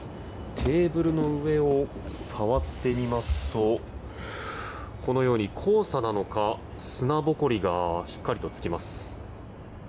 テーブルの上を触ってみますとこのように黄砂なのか砂ぼこりがしっかりとつきます。